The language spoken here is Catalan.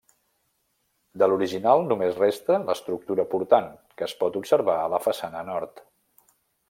De l'original només resta l'estructura portant que es pot observar a la façana Nord.